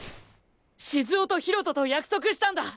静雄と博人と約束したんだ！